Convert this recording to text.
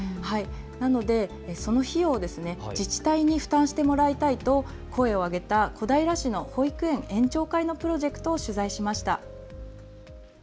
なので、その費用を自治体に負担してもらいたいと声を上げた小平市の保育園園長会のプロジェクトを取材しました。